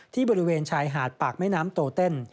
บริเวณชายหาดปากแม่น้ำโตเต้น